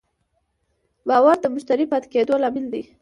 باور د مشتری پاتې کېدو لامل دی.